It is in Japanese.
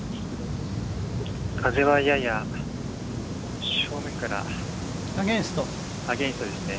風はやや、正面からアゲンストですね。